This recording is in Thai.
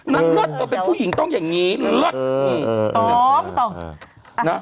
นางลัดนางลัดก็เป็นผู้หญิงต้องอย่างนี้ลัด